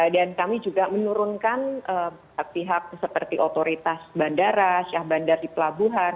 dan kami juga menurunkan pihak seperti otoritas bandara syah bandar di pelabuhan